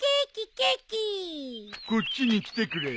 こっちに来てくれ。